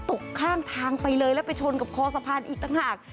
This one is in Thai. ตกข้างทางไปเลยแล้วไปชนกับคอสะพานอีกต่างหาก